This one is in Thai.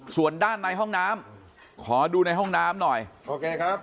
ส่วนด้านในห้องน้ำขอดูในห้องน้ำหน่อยโอเคครับ